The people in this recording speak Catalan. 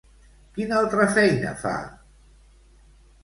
Quina altra feina fa?